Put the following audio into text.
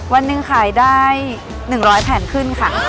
วันหนึ่งขายได้๑๐๐แผงขึ้นค่ะ